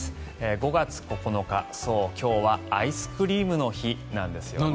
５月９日、今日はアイスクリームの日なんですね。